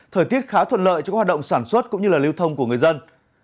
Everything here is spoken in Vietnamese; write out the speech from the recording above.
thời tiết khá thuận lợi cho các hoạt động sản xuất cũng như lưu thông của người dân